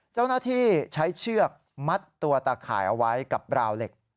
เจ้าหน้าที่ใช้เชือกมัดตัวตะข่ายเอาไว้กับราวเหล็ก